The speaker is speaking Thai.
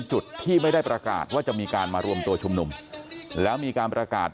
จุดที่ไม่ได้ประกาศว่าจะมีการมารวมตัวชุมนุมแล้วมีการประกาศ